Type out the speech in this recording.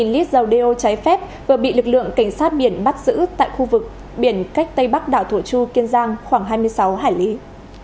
một lít dầu đeo trái phép vừa bị lực lượng cảnh sát biển bắt giữ tại khu vực biển cách tây bắc đảo thổ chu kiên giang khoảng hai mươi sáu hải lý